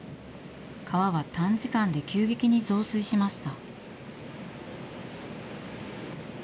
川は短時間で急激に増水しました。